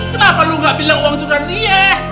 kenapa lu gak bilang uang itu dari dia